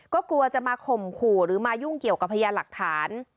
ก็กลัวจะมาข่มขู่หรือมายุ่งเกี่ยวกับพยานหลักฐาน